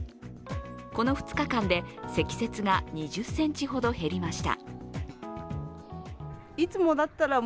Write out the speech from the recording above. この２日間で積雪が２０ｃｍほど減りました。